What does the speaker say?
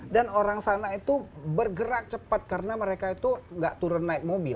dan orang sana itu bergerak cepat karena mereka itu enggak turun naik mobil